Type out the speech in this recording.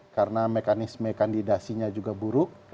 karena mekanisme kandidasinya juga buruk